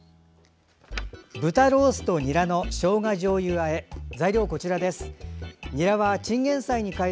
豚ロースとにらのしょうがじょうゆあえ